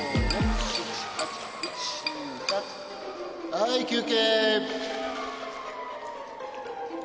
はーい休憩。